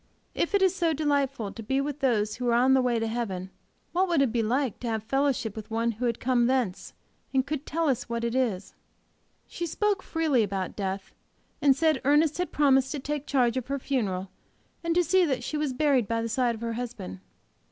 If it is so delightful to be with those who are on the way to heaven, what would it be to have fellowship with one who had come thence, and could tell us what it is! She spoke freely about death, and said Ernest had promised to take charge of her funeral, and to see that she was buried by the side of her husband.